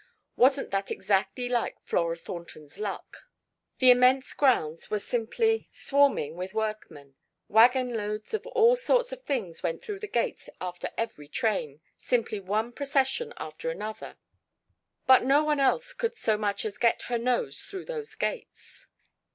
Wasn't that exactly like Flora Thornton's luck? The immense grounds were simply swarming with workmen; wagon loads of all sorts of things went through the gates after every train simply one procession after another; but no one else could so much as get her nose through those gates.